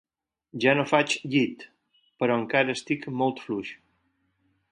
Ja no faig llit, però encara estic molt fluix.